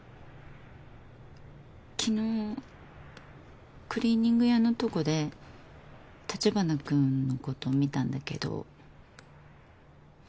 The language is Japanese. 昨日クリーニング屋のとこで橘くんのこと見たんだけど。